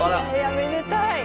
めでたい。